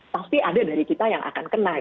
pasti ada dari kita yang akan kena